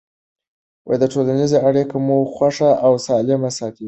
ټولنیزې اړیکې مو خوښ او سالم ساتي.